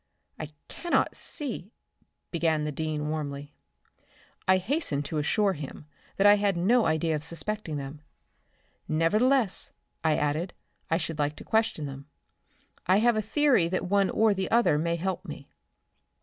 "I cannot see" began the dean warmly. I hastened to assure him I had no idea of suspecting them. "Nevertheless," I added, "I should like to question them. I have a theory that one or the other may help me."